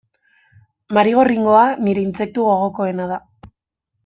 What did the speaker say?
Marigorringoa nire intsektu gogokoena da.